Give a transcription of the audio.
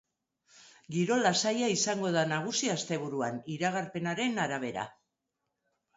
Giro lasaia izango da nagusi asteburuan, iragarpenaren arabera.